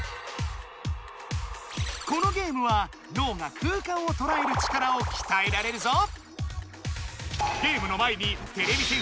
このゲームはのうが空間をとらえる力をきたえられるぞ！